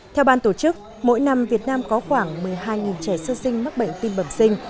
theo ban tổ chức mỗi năm việt nam có khoảng một mươi hai trẻ sơ sinh mắc bệnh tim bẩm sinh